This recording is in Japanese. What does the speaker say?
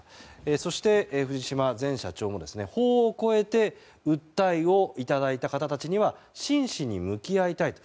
そして、藤島前社長も法を超えて訴えをいただいた方には真摯に向き合いたいと。